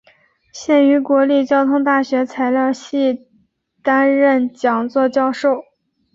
现于国立交通大学材料系担任讲座教授。